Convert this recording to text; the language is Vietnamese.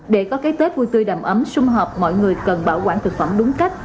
để có cái tết vui tươi đầm ấm xung hợp mọi người cần bảo quản thực phẩm đúng cách